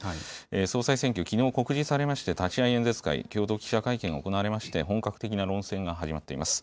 総裁選挙、きのう告示されまして、立会演説会、共同記者会見が行われまして、本格的な論戦が始まっています。